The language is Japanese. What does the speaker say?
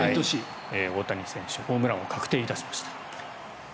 大谷選手ホームラン王確定いたしました。